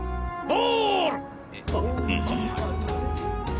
ボール！